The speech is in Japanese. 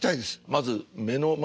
まず目の前